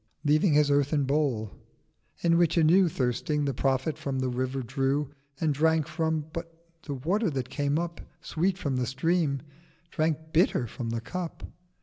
Leaving his earthen Bowl. In which, anew 970 Thirsting, the Prophet from the River drew, And drank from: but the Water that came up Sweet from the Stream. drank bitter from the Cup.